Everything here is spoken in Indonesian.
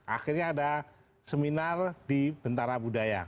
akhirnya ada seminar di bentara budaya